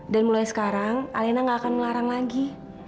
dan mulai sekarang alena nggak akan melarang lagi